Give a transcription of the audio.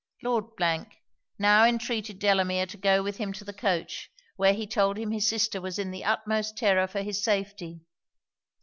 Lord now entreated Delamere to go with him to the coach, where he told him his sister was in the utmost terror for his safety.